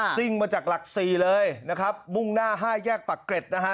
ซิ่งมาจากหลักสี่เลยนะครับมุ่งหน้า๕แยกปากเกร็ดนะฮะ